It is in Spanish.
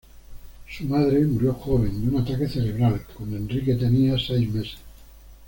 Su madre murió joven, de un ataque cerebral, cuando Enrique tenía seis meses.